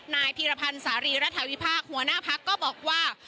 พีรพันธ์สารีรัฐวิพากษ์หัวหน้าพักก็บอกว่า